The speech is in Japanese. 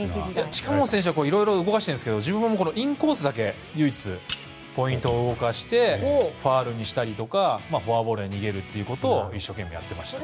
近本選手はいろいろ動かしているんですが自分はインコースだけ唯一、ポイントを動かしてファウルにしたりとかフォアボールで逃げることを一生懸命やってましたね。